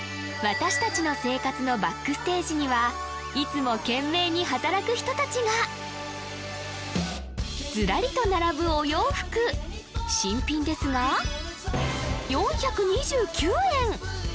私達の生活のＢＡＣＫＳＴＡＧＥにはいつも懸命に働く人達がずらりと並ぶお洋服新品ですが４２９円！